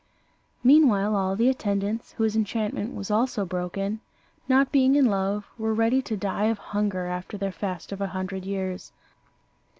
Meantime all the attendants, whose enchantment was also broken, not being in love, were ready to die of hunger after their fast of a hundred years.